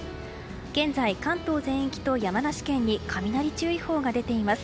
現在、関東全域と山梨県に雷注意報が出ています。